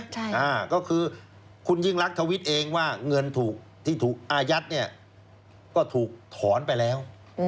ใช่ค่ะก็คือคุณยิ่งรักทวิตเองว่าเงินถูกที่ถูกอายัดเนี่ยก็ถูกถอนไปแล้ว